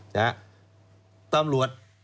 ตำรวจ